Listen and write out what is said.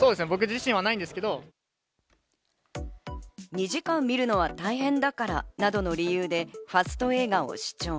２時間見るのは大変だからなどの理由でファスト映画を視聴。